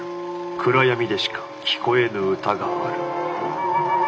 暗闇でしか聴こえぬ歌がある。